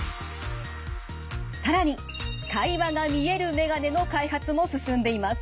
更に会話が見える眼鏡の開発も進んでいます。